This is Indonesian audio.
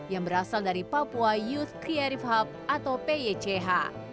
yang berasal dari papua youth creative hub atau pych